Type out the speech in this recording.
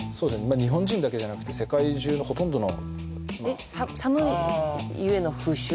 日本人だけじゃなくて世界中のほとんどの寒いゆえの風習？